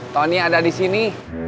tony ada di sini